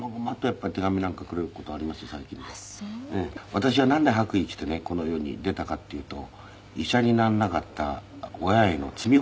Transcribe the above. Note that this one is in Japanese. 私はなんで白衣着てねこの世に出たかっていうと医者にならなかった親への罪滅ぼしで。